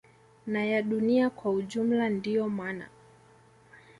na ya dunia kwa ujumla Ndio mana